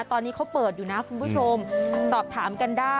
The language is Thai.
ตอนนี้เขาเปิดอยู่นะคุณผู้ชม